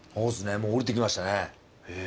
もう降りてきましたね。